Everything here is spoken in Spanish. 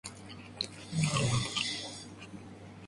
Los otros incisivos y el canino eran por su parte mucho más pequeños.